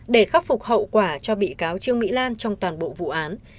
để khắc phục hậu quả cho bị cáo trương mỹ lan trong toàn bộ vụ án